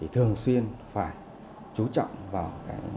thường xuyên phải chú trọng vào